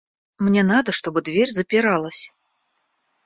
Мне надо, чтобы дверь запиралась.